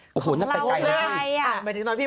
หมายถึงตอนพี่วัยรุ่นนี้